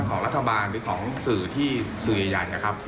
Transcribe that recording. ของรัฐบาลหรือของสื่อที่สื่อใหญ่นะครับ